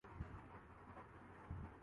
میں آتے ہیں ان جگہوں پر شکاری حضرات